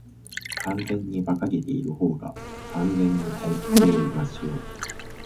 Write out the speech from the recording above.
完全に馬鹿げているほうが、完全に退屈よりマシよ。